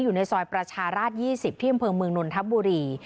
อยู่ในซอยประชาราชน๒๐พมนทัพบุรี